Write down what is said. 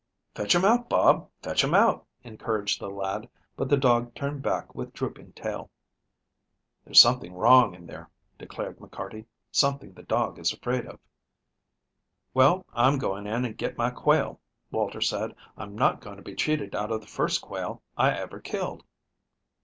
"Fetch 'em out, Bob; fetch 'em out," encouraged the lad, but the dog turned back with drooping tail. "There's something wrong in there," declared McCarty; "something the dog is afraid of." "Well, I'm going in and get my quail," Walter said. "I'm not going to be cheated out of the first quail I ever killed."